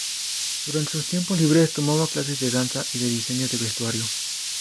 Durante sus tiempos libres tomaba clases de danza y de diseño de vestuario.